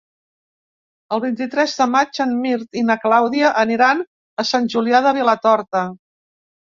El vint-i-tres de maig en Mirt i na Clàudia aniran a Sant Julià de Vilatorta.